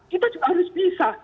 kita juga harus bisa